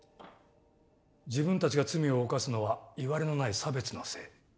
自分たちが罪を犯すのはいわれのない差別のせい。